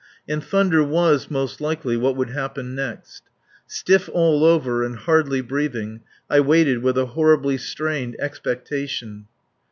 And thunder was, most likely, what would happen next. Stiff all over and hardly breathing, I waited with a horribly strained expectation.